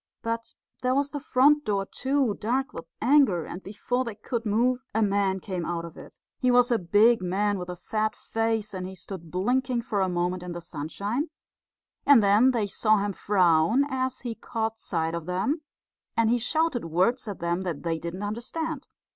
But there was the front door too, dark with anger, and before they could move a man came out of it. He was a big man with a fat face, and he stood blinking for a moment in the sunshine; and then they saw him frown as he caught sight of them; and he shouted words at them that they didn't understand.